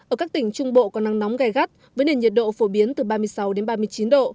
ở các tỉnh trung bộ có nắng nóng gai gắt với nền nhiệt độ phổ biến từ ba mươi sáu đến ba mươi chín độ